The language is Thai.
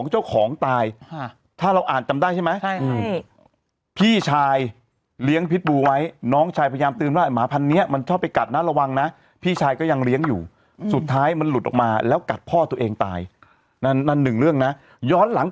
โหม่ัลเป็นภาพเลยอ่ะตอนเนี่ยถ้าไม่ได้ดูภาพจากในที่เราเห็นนะ